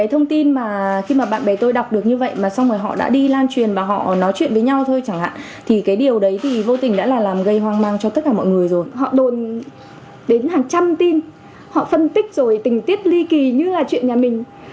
họ đồn đến hàng trăm tin họ phân tích rồi tình tiết ly kỳ như là chuyện nhà mình